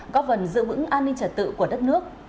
có phần giữ ứng an ninh trật tự của đất nước